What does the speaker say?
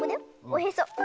おへそ。